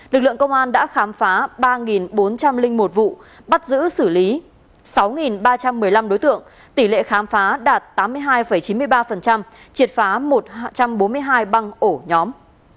lực lượng công an đã khám phá ba bốn trăm linh một vụ bắt giữ xử lý sáu ba trăm một mươi năm đối tượng tỷ lệ khám phá đạt tám mươi hai chín mươi ba triệt phá một trăm bốn mươi hai băng ổ nhóm